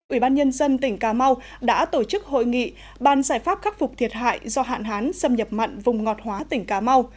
ủy ban nhân dân tỉnh cà mau đã tổ chức hội nghị bàn giải pháp khắc phục thiệt hại do hạn hán xâm nhập mặn vùng ngọt hóa tỉnh cà mau